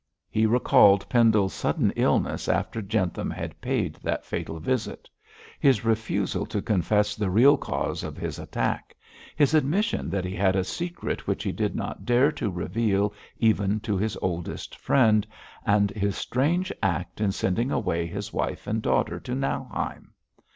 He recalled Pendle's sudden illness after Jentham had paid that fatal visit; his refusal to confess the real cause of his attack; his admission that he had a secret which he did not dare to reveal even to his oldest friend, and his strange act in sending away his wife and daughter to Nauheim.